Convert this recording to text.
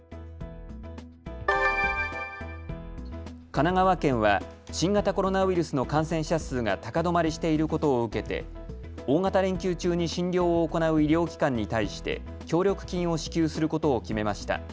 神奈川県は新型コロナウイルスの感染者数が高止まりしていることを受けて大型連休中に診療を行う医療機関に対して協力金を支給することを決めました。